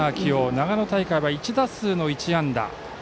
長野大会は１打数の１安打。